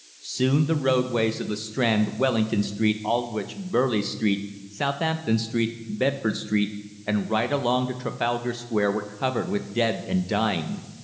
Soon the roadways of the Strand, Wellington Street, Aldwych, Burleigh Street, Southampton Street, Bedford Street, and right along to Trafalgar Square, were covered with dead and dying.